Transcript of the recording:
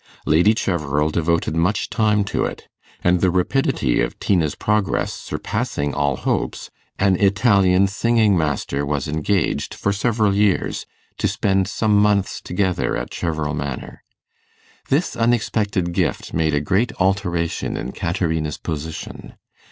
Lady Cheverel devoted much time to it; and the rapidity of Tina's progress surpassing all hopes, an Italian singing master was engaged, for several years, to spend some months together at Cheverel Manor. This unexpected gift made a great alteration in Caterina's position.